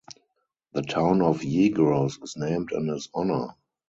The town of Yegros is named in his honor.